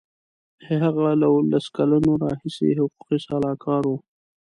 هغه له اوولس کلونو راهیسې حقوقي سلاکار و.